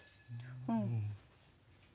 うん。